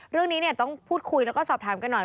เรื่องนี้ต้องพูดคุยแล้วก็สอบถามกันหน่อย